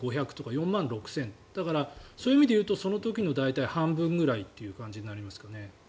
だから、そういう意味でいうとその時の大体、半分ぐらいという感じになりますかね。